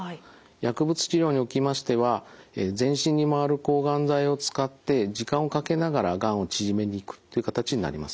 薬物治療におきましては全身に回る抗がん剤を使って時間をかけながらがんを縮めにいくという形になります。